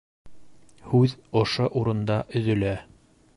Һүҙ ошо урында өҙөлә.